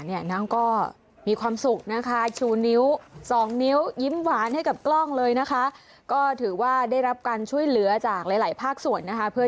นางก็มีความสุขนะคะชูนิ้วสองนิ้วยิ้มหวานให้กับกล้องเลยนะคะก็ถือว่าได้รับการช่วยเหลือจากหลายภาคส่วนนะคะ